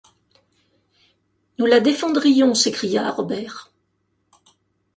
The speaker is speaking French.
Nous la défendrions s’écria Harbert